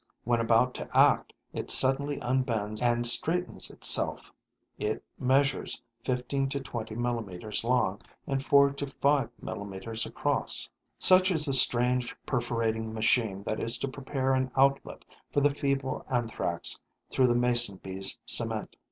When about to act, it suddenly unbends and straightens itself. It measures 15 to 20 millimeters long and 4 to 5 millimeters across. Such is the strange perforating machine that is to prepare an outlet for the feeble Anthrax through the Mason bee's cement.